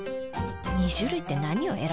２種類って何よ。